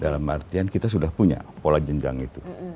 dalam artian kita sudah punya pola jenjang itu